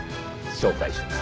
紹介します。